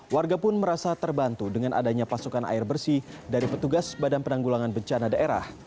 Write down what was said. warga pun merasa terbantu dengan adanya pasokan air bersih dari petugas badan penanggulangan bencana daerah